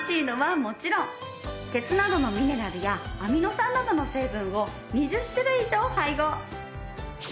鉄などのミネラルやアミノ酸などの成分を２０種類以上配合！